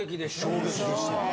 衝撃でしたね。